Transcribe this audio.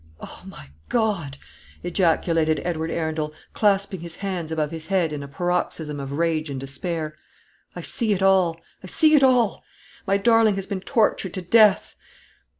"O my God!" ejaculated Edward Arundel, clasping his hands above his head in a paroxysm of rage and despair. "I see it all I see it all! My darling has been tortured to death.